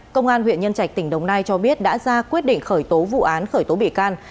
công an huyện nhân trạch tỉnh đồng nai cho biết đã ra quyết định khởi tố vụ án khởi tố bị can